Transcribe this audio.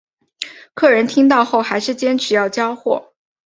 客人听到后还是坚持要交货